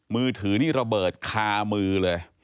มือถือนี่ระเบิดคามือเลย